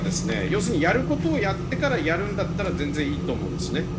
要するにやる事をやってからやるんだったら全然いいと思うんですね。